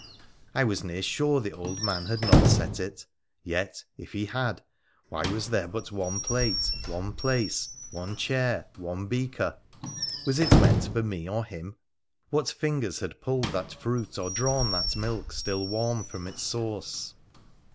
I was near sure the old man had not set it — yet, if he had, why was there but one plate, one place, one chair, one beaker ? Was it meant for me or him ? What fingers had pulled that fruit, or drawn that milk still warm from its source